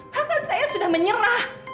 bahkan saya sudah menyerah